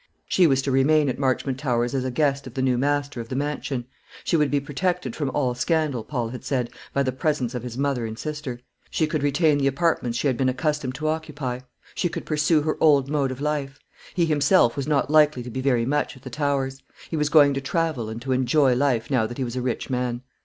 She was to remain at Marchmont Towers as a guest of the new master of the mansion. She would be protected from all scandal, Paul had said, by the presence of his mother and sister. She could retain the apartments she had been accustomed to occupy; she could pursue her old mode of life. He himself was not likely to be very much at the Towers. He was going to travel and to enjoy life now that he was a rich man.